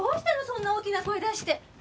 そんな大きな声出して。